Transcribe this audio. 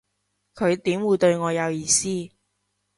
佢點會對我有意思